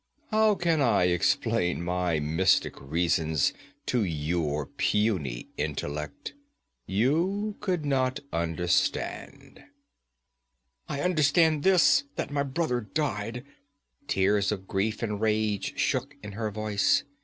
How can I explain my mystic reasons to your puny intellect? You could not understand.' 'I understand this: that my brother died!' Tears of grief and rage shook in her voice.